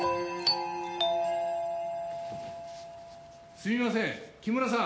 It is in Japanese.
すいません木村さん！